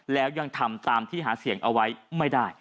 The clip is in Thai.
แล้วยังทำตามที่หาเสียงเอาไว้ไม่ได้